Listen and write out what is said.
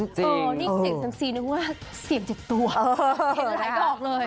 นี่เสี่ยงเซ็มซีนึกว่าเสี่ยง๗ตัวเสียงหลายดอกเลย